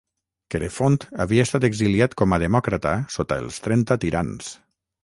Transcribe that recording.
Querefont havia estat exiliat com a demòcrata sota els Trenta Tirans.